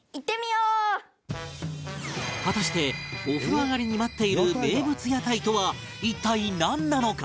果たしてお風呂上がりに待っている名物屋台とは一体なんなのか？